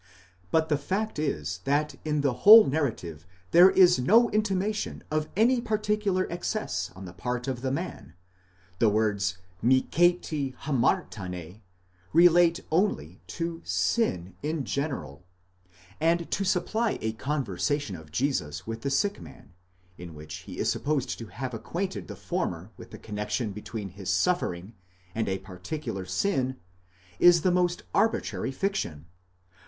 But the fact is that in the whole narrative there is no intimation of any particular excess on the part of the man; the words μηκέτι ἁμάρτανε, relate only to sin in general, and to supply a conversation of Jesus with the sick man, in which he is supposed to have acquainted the former with the connexion between his sufferings and a particular sin,5 is the most arbitrary fiction.